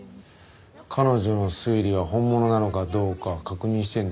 彼女の推理は本物なのかどうか確認してるんだよね。